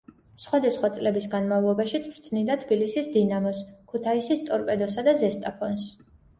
სხვადასხვა წლების განმავლობაში წვრთნიდა თბილისის „დინამოს“, ქუთაისის „ტორპედოსა“ და „ზესტაფონს“.